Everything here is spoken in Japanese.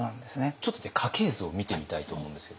ちょっとね家系図を見てみたいと思うんですけど。